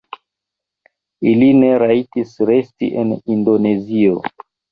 Ili ne rajtis resti en Indonezio.